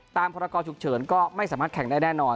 พรกรฉุกเฉินก็ไม่สามารถแข่งได้แน่นอน